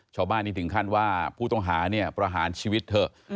ชาวบ้านนี้ถึงขั้นว่าผู้ต้องหาเนี่ยประหารชีวิตเถอะ